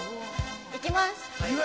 いきます！